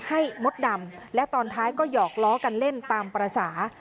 มดดำและตอนท้ายก็หยอกล้อกันเล่นตามภาษา